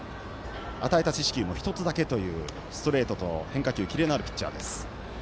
与えた四死球も１つだけというストレートと変化球キレのあるピッチャーです。